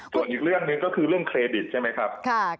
ส่วนอีกเรื่องหนึ่งก็คือเรื่องเครดิตใช่ไหมครับ